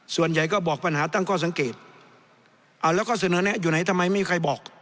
ส่วนใหญ่ก็บอกปัญหาตั้งข้อสังเกตเอาแล้วก็เสนอแนะอยู่ไหนทำไมมีใครบอก